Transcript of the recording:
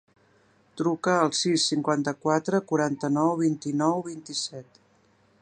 Truca al sis, cinquanta-quatre, quaranta-nou, vint-i-nou, vint-i-set.